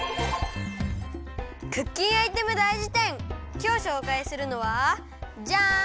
きょうしょうかいするのはジャン！